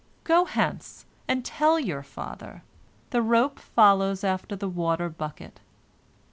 Go hence, and tell your father, 'The rope follows after the water bucket.'